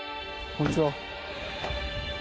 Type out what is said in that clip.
こんにちは。